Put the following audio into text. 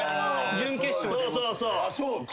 準決勝。